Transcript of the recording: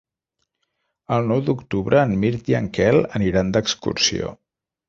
El nou d'octubre en Mirt i en Quel aniran d'excursió.